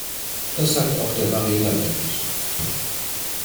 Das sagt auch der Varela-Bericht.